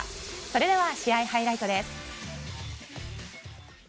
それでは、試合ハイライトです。